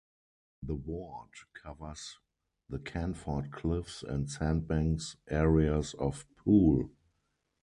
The ward covers the Canford Cliffs and Sandbanks areas of Poole.